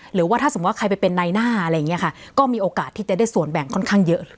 หรือว่าถ้าสมมุติว่าใครไปเป็นในหน้าอะไรอย่างนี้ค่ะก็มีโอกาสที่จะได้ส่วนแบ่งค่อนข้างเยอะ